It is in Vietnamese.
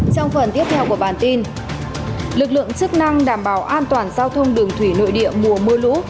trong phần tiếp theo của bản tin lực lượng chức năng đảm bảo an toàn giao thông đường thủy nội địa mùa mưa lũ